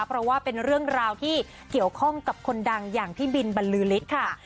เพราะว่าเป็นเรื่องราวที่เกี่ยวข้องกับคนดังอย่างพี่บินบรรลือฤทธิ์ค่ะ